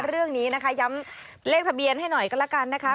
เรื่องนี้นะคะย้ำเลขทะเบียนให้หน่อยก็แล้วกันนะคะ